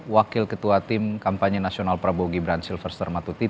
wakil ketua tim kampanye nasional prabowo gibran silverster matu tina